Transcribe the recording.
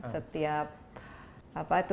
setiap apa itu